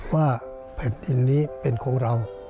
ว่าแผ่นดินนี้เป็นของเรา